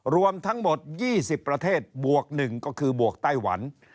รวมทั้งหมด๒๐ประเทศบวก๑ก็คือบวกไต้หวัน